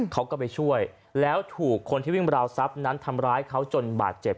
เขาก็ไปช่วยแล้วถูกคนที่วิ่งราวทรัพย์นั้นทำร้ายเขาจนบาดเจ็บ